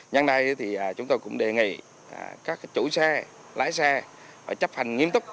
nhân nay thì chúng tôi cũng đề nghị các chủ xe lái xe chấp hành nghiêm túc